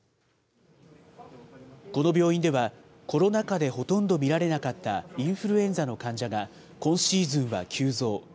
この病院では、コロナ禍でほとんど見られなかったインフルエンザの患者が今シーズンは急増。